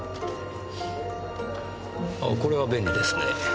あぁこれは便利ですねぇ。